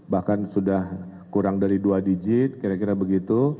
bahkan sudah kurang dari dua digit kira kira begitu